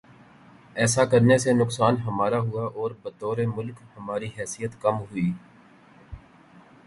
ایسا کرنے سے نقصان ہمارا ہوا اور بطور ملک ہماری حیثیت کم ہوئی۔